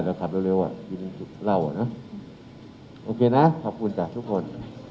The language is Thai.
เราขับเร็วเร็วอ่ะเราอ่ะนะโอเคนะขอบคุณจ้ะทุกคน